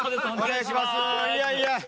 お願いします。